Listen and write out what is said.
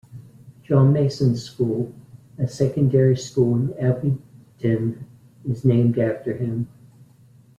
John Mason School, a secondary school in Abingdon, is named after him.